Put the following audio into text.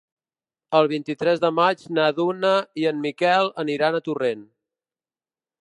El vint-i-tres de maig na Duna i en Miquel aniran a Torrent.